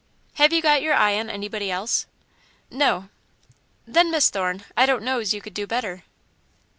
"Have you got your eye on anybody else?" "No." "Then, Miss Thorne, I don't know's you could do better."